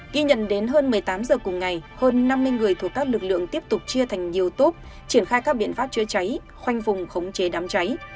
ghi nhận đến hơn một mươi tám giờ cùng ngày hơn năm mươi người thuộc các lực lượng tiếp tục chia thành nhiều túp triển khai các biện pháp chữa cháy khoanh vùng khống chế đám cháy